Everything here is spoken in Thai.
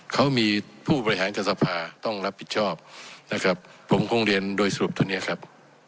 เขามีผู้บริหารกับสภาต้องรับผิดชอบนะครับผมคงเรียนโดยสรุปตอนนี้ครับ